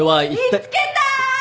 ・見つけた！